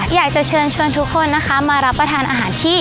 อยากจะเชิญทุกคนมารับประทานอาหารที่